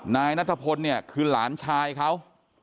นายนัทพลเนี่ยคือหลานชายเขา